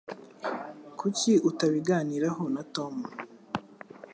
Kuki utabiganiraho na Tom